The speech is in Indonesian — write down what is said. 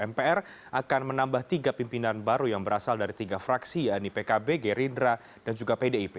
mpr akan menambah tiga pimpinan baru yang berasal dari tiga fraksi yaitu pkb gerindra dan juga pdip